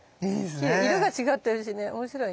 色が違ってるしねおもしろいね。